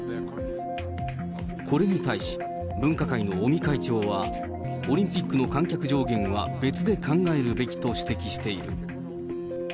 これに対し、分科会の尾身会長は、オリンピックの観客上限は別で考えるべきと指摘している。